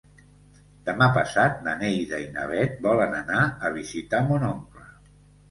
Demà passat na Neida i na Bet volen anar a visitar mon oncle.